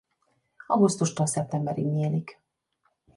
Augusztustól szeptemberig nyílik.